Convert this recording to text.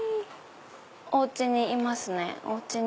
おうちにいますね。